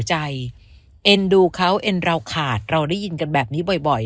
เอ็นดูเขาเอ็นเราขาดเราได้ยินกันแบบนี้บ่อย